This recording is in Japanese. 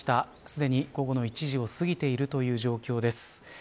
すでに午後１時を過ぎているという状況です。